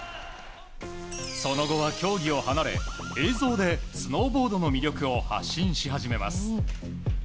その後は競技を離れ映像でスノーボードの魅力を発信し始めます。